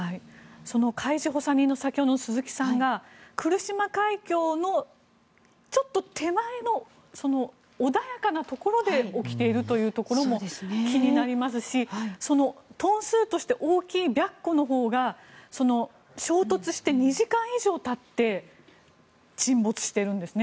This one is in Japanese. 海事補佐人の鈴木さんが来島海峡のちょっと手前の穏やかなところで起きているというところも気になりますしそのトン数として大きい「白虎」のほうが衝突して２時間以上たって沈没しているんですね。